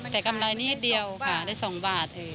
แต่กำไรนิดเดียวค่ะได้๒บาทเอง